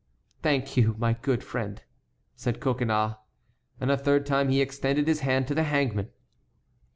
"Thank you, my good friend," said Coconnas, and a third time he extended his hand to the hangman.